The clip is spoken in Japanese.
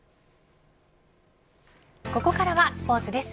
ここからスポーツです。